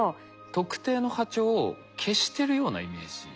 特定の波長を消してるようなイメージですか？